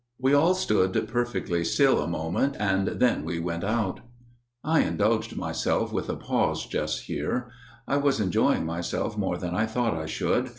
We all stood perfectly still a moment, and then we went out." I indulged myself with a pause just here. I was enjoying myself more than I thought I should.